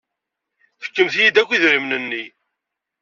Fkemt-iyi-d akk idrimen-nni.